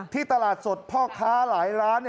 ตลาดสดพ่อค้าหลายร้าน